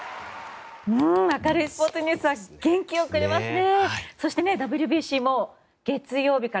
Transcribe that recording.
明るいスポーツニュースは元気をくれますね。